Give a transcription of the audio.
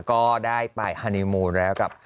ก็ได้ไปฮานีมูลแล้วกับ